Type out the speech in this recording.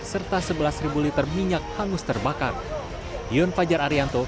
serta sebelas liter minyak hangus terbakar